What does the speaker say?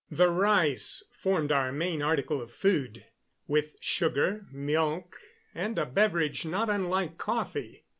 The rice formed our main article of food, with sugar, milk, and a beverage not unlike coffee.